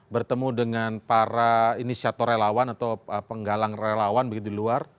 bertemu dengan para inisiator relawan atau penggalang relawan begitu di luar